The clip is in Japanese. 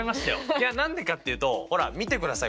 いや何でかっていうとほら見てください